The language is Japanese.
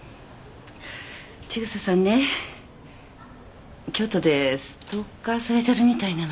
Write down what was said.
千草さんね京都でストーカーされてるみたいなの。